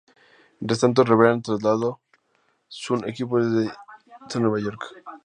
Mientras tanto, Raven trasladaron su equipo desde Inglaterra hasta Nueva York.